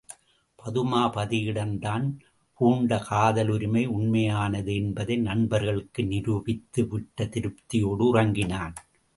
பதுமாபதியிடம் தான் பூண்ட காதலுரிமை உண்மையானது என்பதை நண்பர்களுக்கு நிரூபித்துவிட்ட திருப்தியோடு உறங்கினான்.